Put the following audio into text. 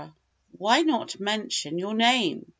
"Why not mention your name?"